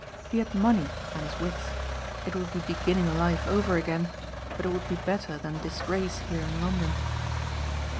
He had money and his wits. It would be beginning life over again but it would be better than disgrace here in London.